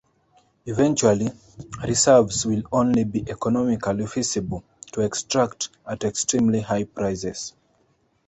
Eventually, reserves will only be economically feasible to extract at extremely high prices.